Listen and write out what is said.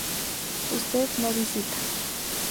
Usted no visita